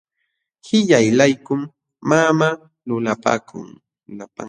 Qillaylaykum mamaa lulapankun.